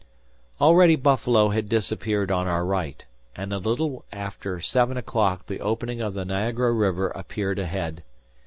Already Buffalo had disappeared on our right, and a little after seven o'clock the opening of the Niagara River appeared ahead.